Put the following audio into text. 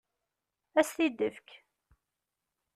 Ad as-t-id-tfek.